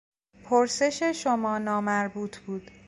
پرسش شما نامربوط بود.